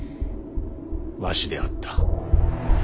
わしであった。